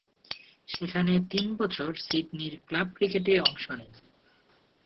সেখানে তিন বছর সিডনির ক্লাব ক্রিকেটে অংশ নেন।